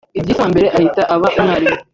Idris wa mbere ahita aba umwami